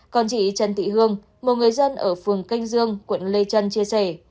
còn chị trần thị hương một người dân ở phường canh dương quận lê trân chia sẻ